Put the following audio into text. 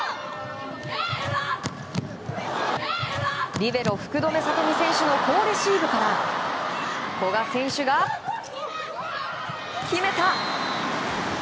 リベロ福留慧美選手の好レシーブから古賀選手が決めた！